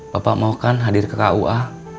bapak maukan hadir ke kua